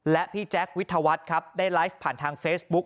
และพี่แจ๊ควิทยาวัฒน์ครับได้ไลฟ์ผ่านทางเฟซบุ๊ค